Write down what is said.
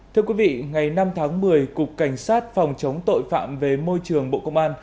thưa quý vị ngày năm tháng một mươi cục cảnh sát phòng chống tội phạm về môi trường bộ công an